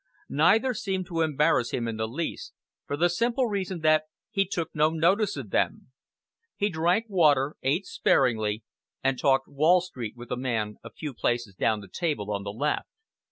Neither seemed to embarrass him in the least, for the simple reason that he took no notice of them. He drank water, ate sparingly, and talked Wall Street with a man a few places down the table on the left.